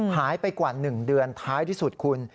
หายไปกว่า๑เดือนท้ายที่สุดคุณ